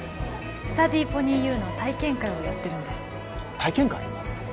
スタディーポニーＵの体験会をやってるんです体験会？